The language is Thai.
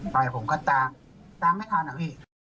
ไปผมก็ตามตามไม่ทันอะพี่